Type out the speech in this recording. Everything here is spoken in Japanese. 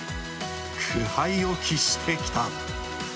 苦杯を喫してきた。